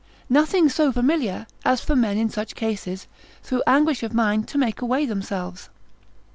Nothing so familiar, as for men in such cases, through anguish of mind to make away themselves.